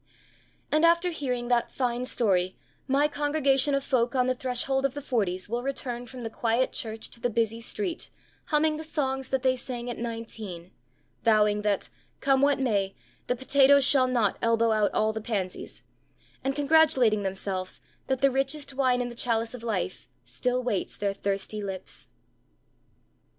And after hearing that fine story my congregation of folk on the threshold of the forties will return from the quiet church to the busy street humming the songs that they sang at nineteen; vowing that, come what may, the potatoes shall not elbow out all the pansies; and congratulating themselves that the richest wine in the chalice of life still waits their thirsty lips.